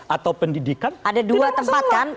atau pendidikan tidak masalah ada dua tempat kan